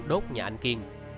đốt nhà anh kiên